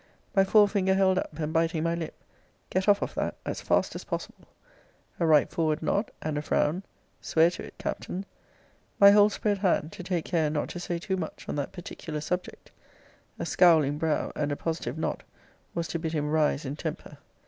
My fore finger held up, and biting my lip, get off of that, as fast as possible. A right forward nod, and a frown, swear to it, Captain. My whole spread hand, to take care not to say too much on that particular subject. A scowling brow, and a positive nod, was to bid him rise in temper.